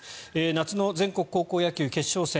夏の全国高校野球決勝戦。